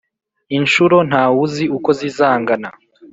inshuro ntawuzi uko zizangana,